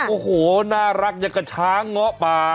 โอ้โหน่ารักอย่างกับช้างเงาะป่า